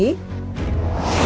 trong nhiều năm gần đây